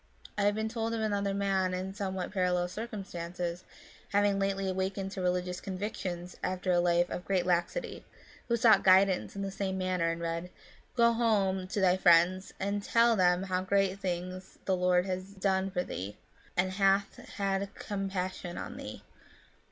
I have been told of another man in somewhat parallel circumstances, having lately awakened to religious convictions after a life of great laxity, who sought guidance in the same manner, and read, " Go home to thy friends, and tell them how great things the Lord hath done for thee, and hath had compassion on thee."